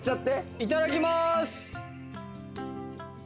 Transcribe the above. いただきます！